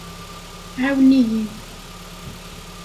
ɛawen-iyi!